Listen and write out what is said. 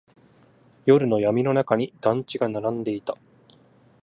夜の闇の中に団地が並んでいた。